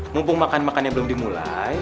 mumpung makan makannya belum dimulai